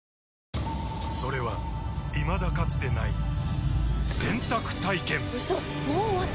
それはいまだかつてない洗濯体験‼うそっ！